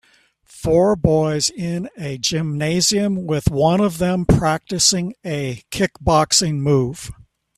Four boys in a gymnasium with one of them practicing a kickboxing move